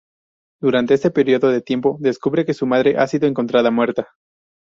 Durante este periodo de tiempo descubre que su madre ha sido encontrada muerta.